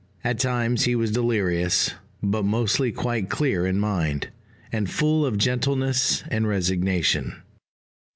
At times he was delirious; but mostly quite clear in mind, and full of gentleness and resignation.